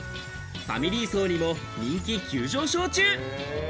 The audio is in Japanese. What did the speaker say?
ファミリー層にも人気急上昇中。